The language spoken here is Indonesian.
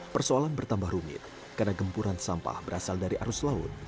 persoalan bertambah rumit karena gempuran sampah berasal dari arus laut